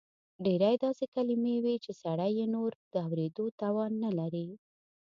ډېر داسې کلیمې وې چې سړی یې نور د اورېدو توان نه لري.